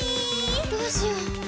どうしよう。